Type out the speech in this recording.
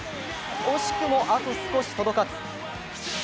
惜しくもあと少し届かず。